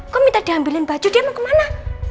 kok minta diambilin baju dia mau kemana